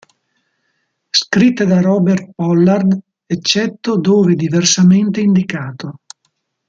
Scritte da Robert Pollard, eccetto dove diversamente indicato.